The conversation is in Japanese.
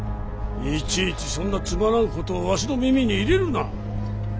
いちいちそんなつまらんことをわしの耳に入れるな。